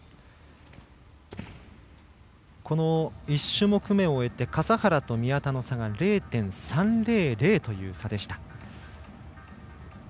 １種目めを終えて笠原と宮田の差が０．３００という差でした。